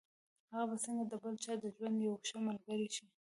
هغه به څنګه د بل چا د ژوند يوه ښه ملګرې شي.